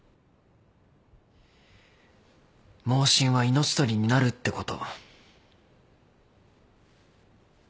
妄信は命取りになるってこと。